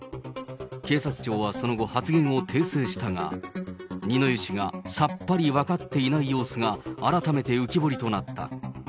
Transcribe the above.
警察庁はその後、発言を訂正したが、二之湯氏がさっぱり分かっていない様子が改めて浮き彫りとなった。